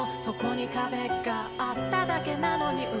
「そこに壁があっただけなのに」